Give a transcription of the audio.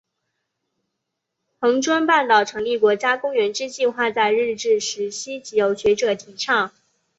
恒春半岛成立国家公园之计画在日治时期即有学者提倡。